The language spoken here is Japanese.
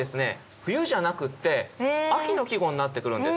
冬じゃなくって秋の季語になってくるんです。